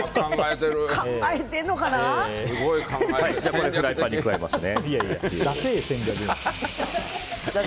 これ、フライパンに加えますね。